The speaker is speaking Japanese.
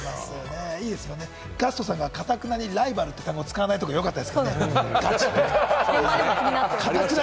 ガストさんがかたくなにライバルって言葉を使わないところがよかったですね。